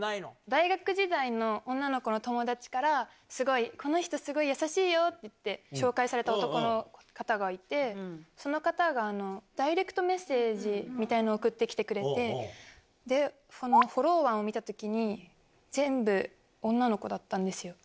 大学時代の女の子の友達から、すごい、この人すごい優しいよって紹介された男の方がいて、その方が、ダイレクトメッセージみたいのを送ってきてくれて、フォロワーを見たときに、全部女の子だったんですよ。